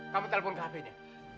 kamu telpon ke hp nya